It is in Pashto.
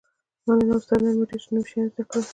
مننه استاده نن مو ډیر نوي شیان زده کړل